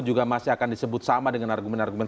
juga masih akan disebut sama dengan argumen argumen